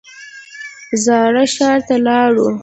زاړه ښار ته لاړو.